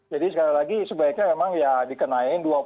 jadi sekali lagi sebaiknya memang ya dikenain dua puluh